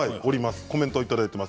コメントをいただいています。